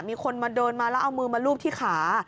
มีคนมาเดินมาแล้วเอามือมาลูบที่ขา